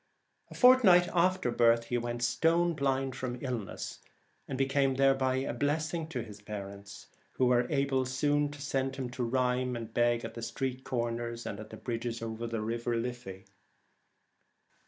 A fortnight after birth he went stone blind from illness, and be came thereby a blessing to his parents, who were soon able to send him to rhyme and beg at street corners and at the bridges over the Liffey.